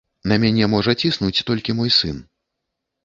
На мяне можа ціснуць толькі мой сын.